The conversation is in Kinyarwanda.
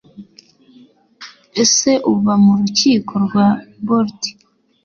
ese uba mu rukiko rwa bolt,